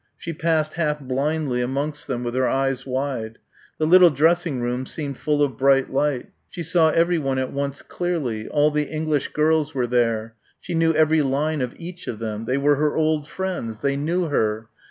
She passed half blindly amongst them with her eyes wide. The little dressing room seemed full of bright light. She saw everyone at once clearly. All the English girls were there. She knew every line of each of them. They were her old friends. They knew her.